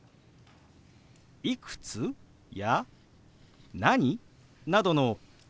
「いくつ？」や「何？」などのＷｈー